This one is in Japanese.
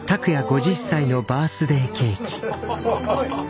・すごい！